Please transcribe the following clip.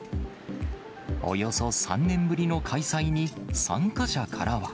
およそ３年ぶりの開催に、参加者からは。